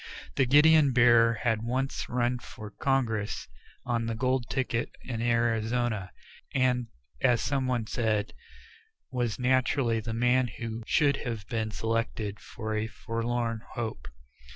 The guidon bearer had once run for Congress on the gold ticket in Arizona, and, as some one said, was naturally the man who should have been selected for a forlorn hope.